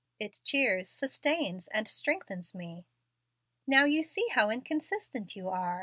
It cheers, sustains, and strengthens me." "Now you see how inconsistent you are.